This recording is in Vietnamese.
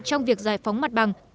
trong việc giải phóng mặt bản